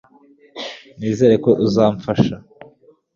nizere ko uzamfasha